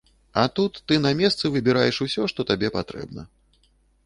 А тут ты на месцы выбіраеш усё, што табе патрэбна.